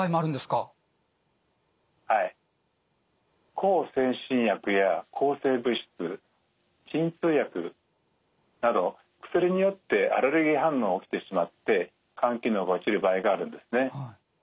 向精神薬や抗生物質鎮痛薬など薬によってアレルギー反応が起きてしまって肝機能が落ちる場合があるんですね。